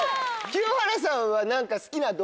清原さんは。